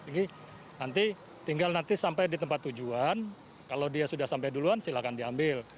nanti tinggal nanti sampai di tempat tujuan kalau dia sudah sampai duluan silahkan diambil